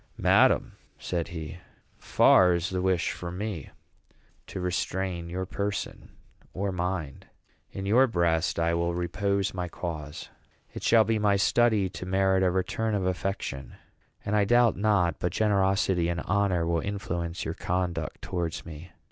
"Madam," said he, "far is the wish from me to restrain your person or mind. In your breast I will repose my cause. It shall be my study to merit a return of affection; and I doubt not but generosity and honor will influence your conduct towards me.